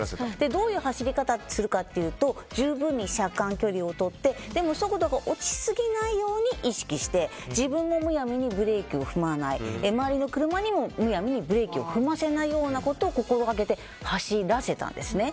どういう走り方をするかというと十分に車間距離をとって速度が落ちすぎないように意識して、自分もむやみにブレーキを踏まない周りの車にもむやみにブレーキを踏ませないようなことを心掛けて走らせたんですね。